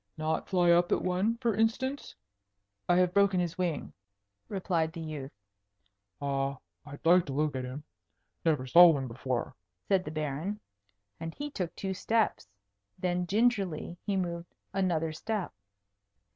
"Not fly up at one, for instance?" "I have broken his wing," replied the youth. "I I'd like to look at him. Never saw one before," said the Baron; and he took two steps. Then gingerly he moved another step.